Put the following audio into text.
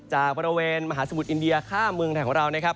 จากประเวณมหาสมุทธิ์อินเดียข้ามเมืองทางเรา